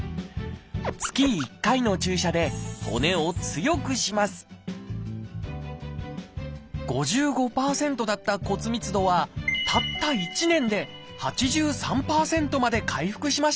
月１回の注射で骨を強くします５５％だった骨密度はたった１年で８３％まで回復しました。